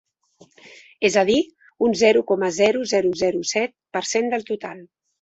És a dir, un zero coma zero zero zero set per cent del total.